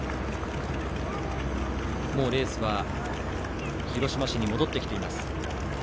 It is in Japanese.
レースは、広島市に戻ってきています。